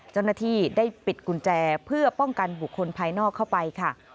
เจ้าหน้าที่ได้ปิดกุญแจเพื่อป้องกันบุคคลภายนอกเข้าไปค่ะ